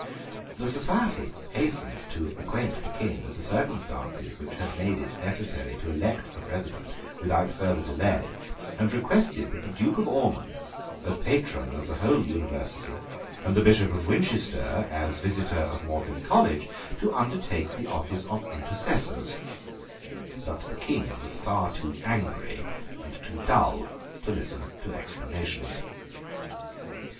The society hastened to acquaint the King with the circumstances which had made it necessary to elect a President without further delay, and requested the Duke of Ormond, as patron of the whole University, and the Bishop of Winchester, as visitor of Magdalene College, to undertake the office of intercessors: but the King was far too angry and too dull to listen to explanations.